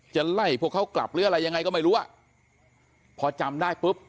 จะไล่พวกเขากลับหรืออะไรยังไงก็ไม่รู้อ่ะพอจำได้ปุ๊บ